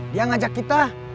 dia ngajak kita